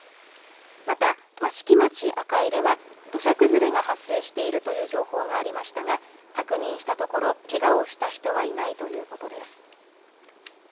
また益城町赤井では土砂崩れが発生しているという情報がありましたが確認したところけがをした人はいないということです。